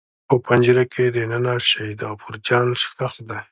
په پنجره کې دننه شهید غفور جان ښخ دی.